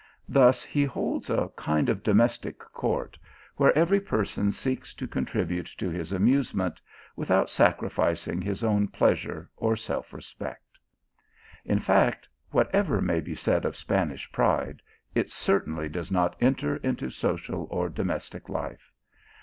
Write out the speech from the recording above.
Thus he holds a kind of domestic court, where every person seeks to con tribute to his amusement, without sacrificing his own pleasure or self respect. In fact, whatever may be said of Spanish pride? it certainly does not enter into social or domestic life.